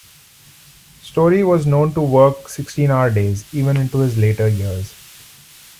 Storey was known to work sixteen hour days, even into his later years.